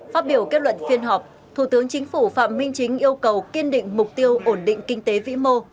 phát biểu kết luận phiên họp thủ tướng chính phủ phạm minh chính yêu cầu kiên định mục tiêu ổn định kinh tế vĩ mô